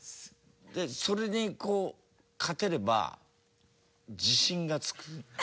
それにこう勝てれば自信がつく。